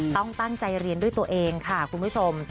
ต้องตั้งใจเรียนด้วยตัวเองค่ะคุณผู้ชม